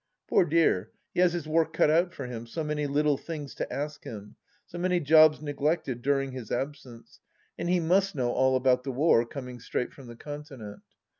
Poor dear, he has his work cut out for him, so many little things to ask him, so many jobs neglected during his absence, and he must know all about the war, coming straight from the Continent